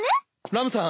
ラムさん。